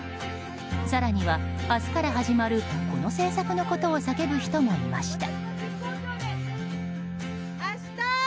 更には、明日から始まるこの政策のことを叫ぶ人もいました。